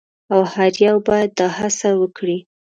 او هر یو باید دا هڅه وکړي.